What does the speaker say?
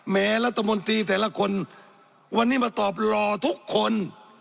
แม้รัฐมนตรีแต่ละคนวันนี้มาตอบรอทุกคน